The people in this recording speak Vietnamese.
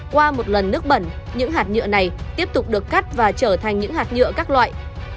qua một lần nước bẩn những hạt nhựa này tiếp tục được cắt và trở thành những hạt nhựa các loại